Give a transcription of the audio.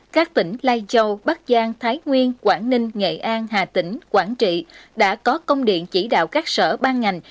các tỉnh lai châu bắc giang thái nguyên quảng ninh nghệ an hà tĩnh quảng trị đã có công điện chỉ đạo các sở ban ngành